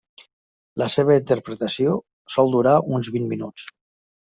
La seva interpretació sol durar uns vint minuts.